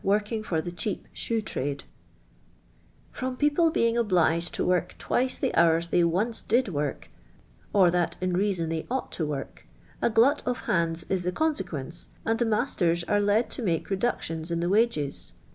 working for the cheap shoe trade :—" From people beinj: obliged to work twice the hours they once ilid work, or that in rea*on they on>fht to work, a glut of hands is the con»e<^uence, and the nuij>ters are led to make reductions in the wage*.